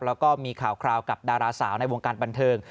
แล้วก็มีข่าวคราวกับดาราสาวในวงการบันเทิง